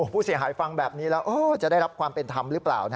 ผู้เสียหายฟังแบบนี้แล้วจะได้รับความเป็นธรรมหรือเปล่า